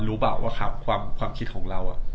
รู้เปล่าค่ะถ้าความคิดของเรา